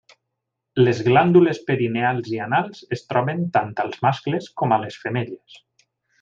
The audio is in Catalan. Les glàndules perineals i anals, es troben tant als mascles com a les femelles.